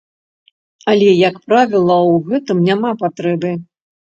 Але, як правіла, у гэтым няма патрэбы.